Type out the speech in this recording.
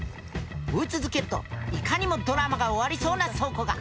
追い続けるといかにもドラマが終わりそうな倉庫が。